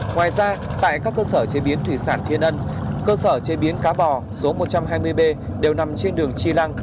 ngoài ra tại các cơ sở chế biến thủy sản thiên ân cơ sở chế biến cá bò số một trăm hai mươi b đều nằm trên đường chi lăng